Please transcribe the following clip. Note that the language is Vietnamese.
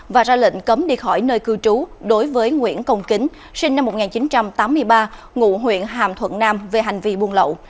và ra lệnh cấm đi khỏi nơi cư trú đối với nguyễn công kính sinh năm một nghìn chín trăm tám mươi ba ngụ huyện hàm thuận nam về hành vi buôn lậu